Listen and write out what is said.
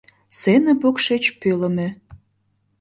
Сцене покшеч пӧлымӧ.